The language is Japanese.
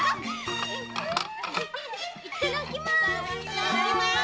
いただきます。